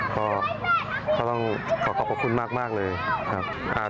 ก็ต้องขอขอบพระคุณมากเลยครับ